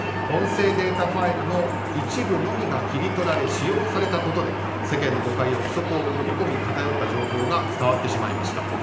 音声データファイルの一部のみが切り取られ使用されたことで世間の誤解や憶測を呼び込み、偏った情報が伝わってしまいました。